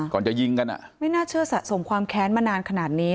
จะยิงกันอ่ะไม่น่าเชื่อสะสมความแค้นมานานขนาดนี้